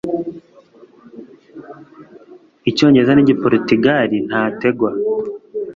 icyongereza n igiporutugali ntategwa